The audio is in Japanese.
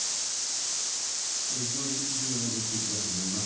非常に重要なご指摘だと思います。